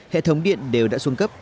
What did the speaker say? hệ thống điện đều đã xuân cấp